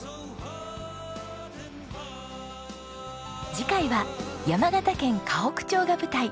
次回は山形県河北町が舞台。